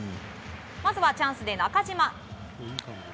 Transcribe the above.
まずは、チャンスで中島。